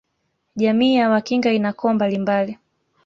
Jamii ya Wakinga ina koo mbalimbali